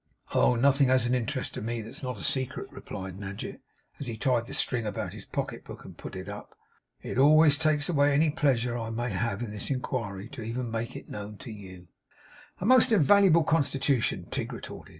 'Oh! nothing has an interest to me that's not a secret,' replied Nadgett, as he tied the string about his pocket book, and put it up. 'It always takes away any pleasure I may have had in this inquiry even to make it known to you.' 'A most invaluable constitution,' Tigg retorted.